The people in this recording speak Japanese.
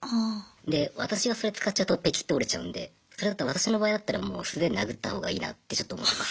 で私がそれ使っちゃうとペキッて折れちゃうんでそれだったら私の場合だったらもう素手で殴ったほうがいいなってちょっと思います